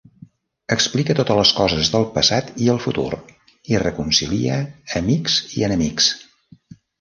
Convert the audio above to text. Explica totes les coses del passat i el futur i reconcilia amics i enemics.